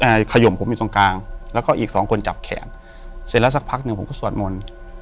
ขยมผมอยู่ตรงกลางแล้วก็อีกสองคนจับแขนเสร็จแล้วสักพักหนึ่งผมก็สวดมนต์